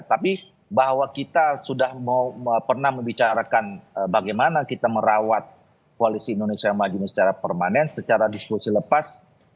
tapi bahwa kita sudah pernah membicarakan bagaimana kita merawat koalisi indonesia maju ini secara permanen secara diskusi lepas